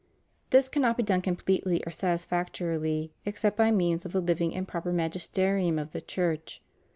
This cannot be done completely or satisfactorily except by means of the living and proper magisterium of the Church.